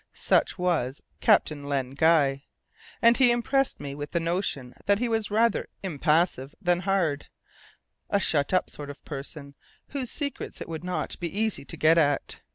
Such was Captain Len Guy, and he impressed me with the notion that he was rather impassive than hard, a shut up sort of person, whose secrets it would not be easy to get at.